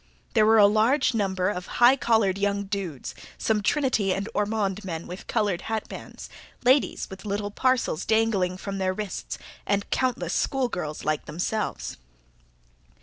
There were a large number of high collared young dudes, some Trinity and Ormond men with coloured hatbands, ladies with little parcels dangling from their wrists, and countless schoolgirls like themselves.